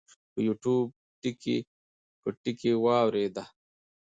پۀ يو ټيوب ټکے پۀ ټکے واورېده -